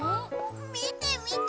みてみて！